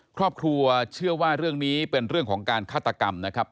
ครอบครัวเชื่อว่าเรื่องนี้เป็นเรื่องของการฆาตกรรมนะครับ